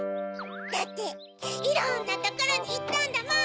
だっていろんなところにいったんだもん！